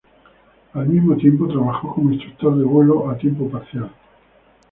Al mismo tiempo, trabajó como instructor de vuelo a tiempo parcial.